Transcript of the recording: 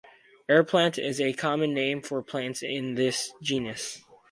Airplant is a common name for plants in this genus.